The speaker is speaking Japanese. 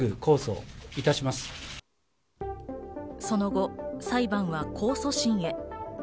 その後、裁判は控訴審へ。